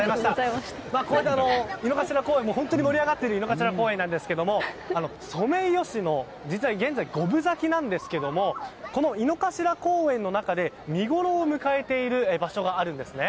井の頭公園も本当に盛り上がっているんですけれどもソメイヨシノ、実は現在五分咲きなんですがこの井の頭公園の中で見ごろを迎えている場所があるんですね。